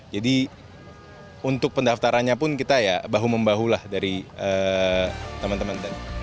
jadi untuk pendaftarannya pun kita ya bahu membahu lah dari teman teman